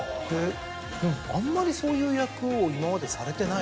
あんまりそういう役を今までされてないですよね？